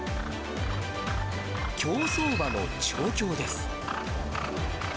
競走馬の調教です。